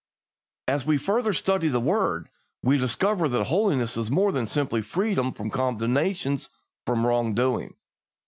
As we further study the word, we discover that holiness is more than simple freedom from condemnation for wrong doing.